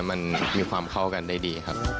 มันมีความเข้ากันได้ดีครับ